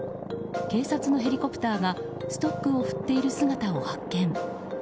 警察のヘリコプターがストックを振っている姿を発見。